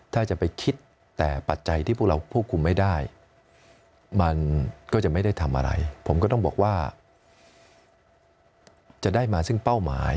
ถ้าจะไปคิดแต่ปัจจัยที่พวกเราควบคุมไม่ได้มันก็จะไม่ได้ทำอะไรผมก็ต้องบอกว่าจะได้มาซึ่งเป้าหมาย